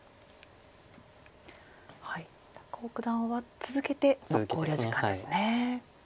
高尾九段は続けて考慮時間ですね。